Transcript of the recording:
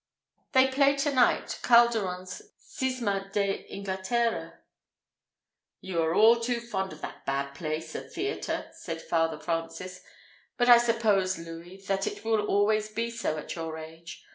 "They play to night Calderon's Cisma de Inglaterra." "You are all too fond of that bad place, a theatre," said Father Francis; "but I suppose, Louis, that it will always be so at your age.